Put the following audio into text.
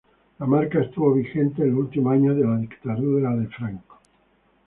La marca estuvo vigente en los últimos años de la dictadura de Franco.